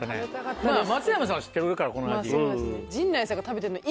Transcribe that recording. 松山さんは知ってるからこの味。